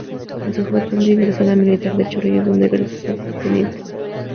En su juventud ingresó a la Escuela Militar de Chorrillos, donde egresó como subteniente.